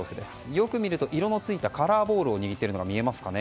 よく見ると、色のついたカラーボールを握っているのが見えますかね。